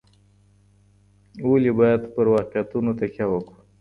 ولي بايد په واقعيتونو تکيه وکړو؟